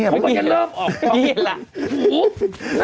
เพราะวันนี้เริ่มเหลือบออกเหี้ยแหละ